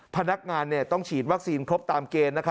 พนักงานต้องฉีดวัคซีนครบตามเกณฑ์